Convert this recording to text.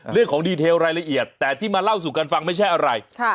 ดีเทลรายละเอียดแต่ที่มาเล่าสู่กันฟังไม่ใช่อะไร